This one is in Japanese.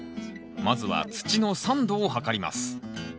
まずは土の酸度を測ります。